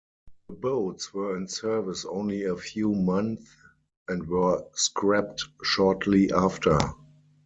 The boats were in service only a few months and were scrapped shortly after.